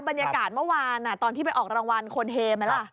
บรรยากาศเมื่อวานตอนที่ไปออกรางวัลคนเฮไหมล่ะ